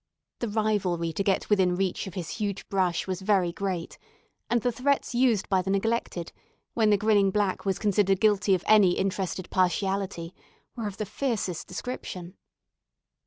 The rivalry to get within reach of his huge brush was very great; and the threats used by the neglected, when the grinning black was considered guilty of any interested partiality, were of the fiercest description.